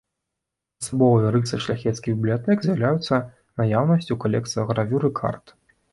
Асабовай рысай шляхецкіх бібліятэк з'яўляецца наяўнасць у калекцыях гравюр і карт.